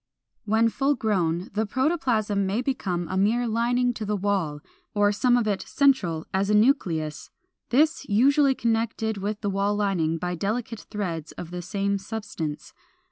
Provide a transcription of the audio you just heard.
When full grown the protoplasm may become a mere lining to the wall, or some of it central, as a nucleus, this usually connected with the wall lining by delicate threads of the same substance.